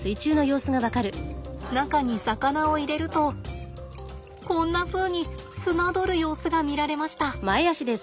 中に魚を入れるとこんなふうに漁る様子が見られました。